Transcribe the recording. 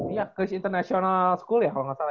iya chris international school ya kalo gak salah ya